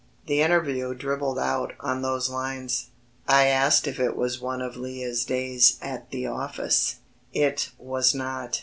The interview dribbled out on those lines. I asked if it was one of Lea's days at the office. It was not.